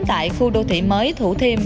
tại khu đô thị mới thủ thiêm